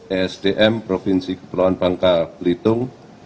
esdm provinsi kepulauan bangka belitung